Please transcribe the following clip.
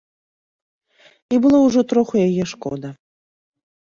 І было ўжо троху яе шкода.